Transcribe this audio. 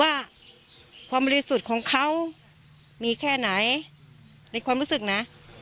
ว่าความบริสุทธิ์ของเขามีแค่ไหนในความรู้สึกนะ